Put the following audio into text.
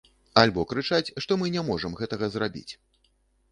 Альбо крычаць, што мы не можам гэтага зрабіць.